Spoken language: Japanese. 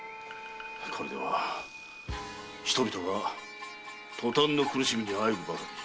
これでは人々が塗炭の苦しみに喘ぐばかりだ。